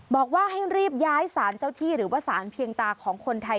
บอกว่าให้รีบย้ายสารเจ้าที่หรือว่าสารเพียงตาของคนไทย